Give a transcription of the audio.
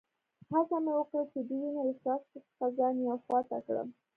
هڅه مې وکړل چي د وینې له څاڅکو څخه ځان یوې خوا ته کړم.